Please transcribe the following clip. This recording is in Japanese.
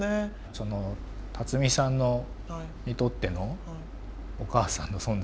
その辰巳さんにとってのお母さんの存在。